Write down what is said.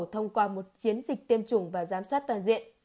thông qua một chiến dịch tiêm chủng và giám sát toàn diện